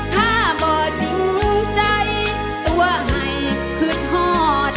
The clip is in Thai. ถ้าบ่จริงใจตัวให้คืนหอด